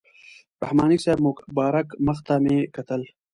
رحماني صاحب مبارک مخ ته مې کتل.